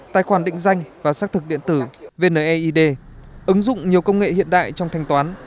tài khoản định danh và xác thực điện tử vneid ứng dụng nhiều công nghệ hiện đại trong thanh toán